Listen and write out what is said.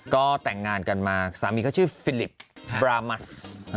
ก็แต่งงานกันมาสามีเขาชื่อฟิลิปบรามัส